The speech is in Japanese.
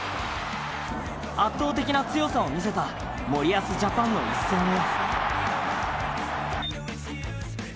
圧倒的な強さを見せた森保ジャパンの一戦を。